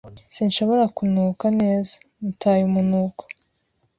Sinshobora kunuka neza. Nataye umunuko.